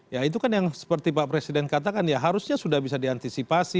ya itu kan yang seperti pak presiden katakan ya harusnya sudah bisa diantisipasi